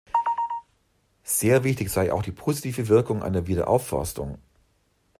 Sehr wichtig sei auch die positive Wirkung einer Wiederaufforstung.